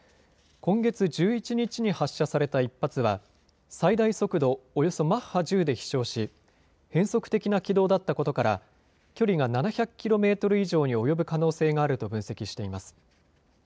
今月１１日に発射された１発は最大速度およそマッハ１０で飛しょうし変則的な軌道だったことから距離が７００ｋｍ以上に及ぶ可能性があると分析しています。